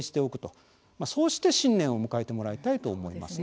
そうして新年を迎えてもらいたいと思いますね。